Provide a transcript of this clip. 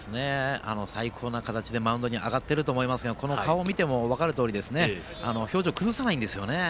最高な形でマウンドに上がっていると思いますがこの顔を見ても分かるとおり表情を崩さないんですね。